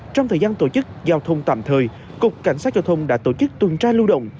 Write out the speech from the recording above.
trong thời gian tổ chức giao thông tạm thời cục cảnh sát giao thông đã tổ chức tuần tra lưu động